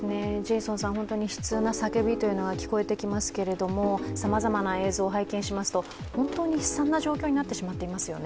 本当に悲痛な叫びが聞こえてきますが、さまざまな映像を拝見しますと本当に悲惨な状況になってしまっていますよね